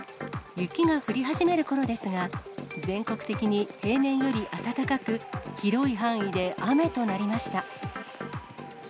雪が降り始めるころですが、全国的に平年より暖かく、広い範囲で雨となりました。